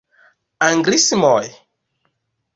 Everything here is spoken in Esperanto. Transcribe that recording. Anglismoj?